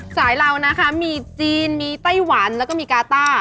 เรานะคะมีจีนมีไต้หวันแล้วก็มีกาต้า